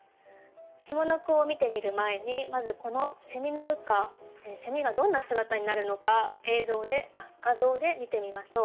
下の句を見てみる前にまずこのの羽化がどんな姿になるのか画像で見てみましょう。